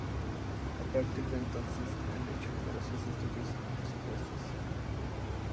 A partir de entonces, se han hecho numerosos estudios y propuestas.